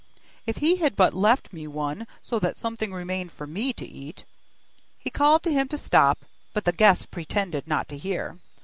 'If he had but left me one, so that something remained for me to eat.' He called to him to stop, but the guest pretended not to hear.